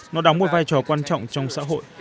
nó đóng một vai trò quan trọng trong xã hội